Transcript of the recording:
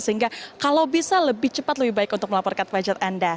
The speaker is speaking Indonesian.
sehingga kalau bisa lebih cepat lebih baik untuk melaporkan budget anda